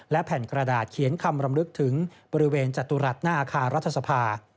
และแผ่นกระดาษเขียนคำรำลึกถึงบริเวณจตุรัสหน้าอาคารรัฐสภา